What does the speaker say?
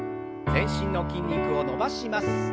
全身の筋肉を伸ばします。